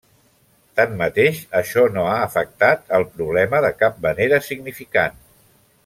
Tanmateix, això no ha afectat el problema de cap manera significant.